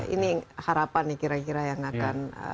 ini harapan nih kira kira yang akan